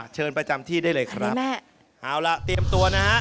เชิญประจำที่ได้เลยครับแม่เอาล่ะเตรียมตัวนะฮะ